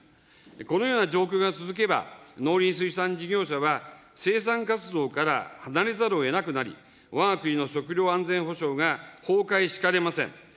このような状況が続けば、農林水産事業者は、生産活動から離れざるをえなくなり、わが国の食料安全保障が崩壊しかねません。